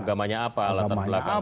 agamanya apa latar belakang